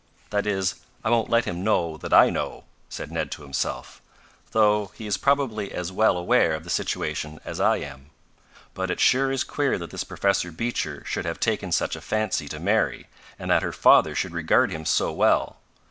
"That is, I won't let him know that I know," said Ned to himself, "though he is probably as well aware of the situation as I am. But it sure is queer that this Professor Beecher should have taken such a fancy to Mary, and that her father should regard him so well.